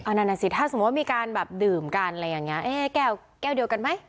นั่นน่ะสิถ้าสมมุติว่ามีการแบบดื่มกันอะไรอย่างนี้แก้วแก้วเดียวกันไหม